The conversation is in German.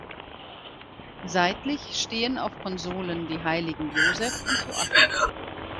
Seitlich stehen auf Konsolen die Heiligen Josef und Joachim.